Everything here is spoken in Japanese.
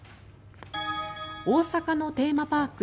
大阪のテーマパーク